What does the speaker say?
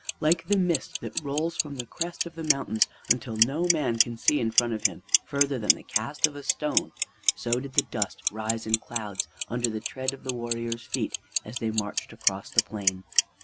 Like the mist that rolls from the crest of the mountains until no man can see in front of him further than the cast of a stone, so did the dust rise in clouds under the tread of the warriors' feet as they marched across the plain.